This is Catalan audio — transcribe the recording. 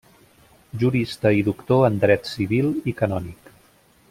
Jurista i doctor en dret civil i canònic.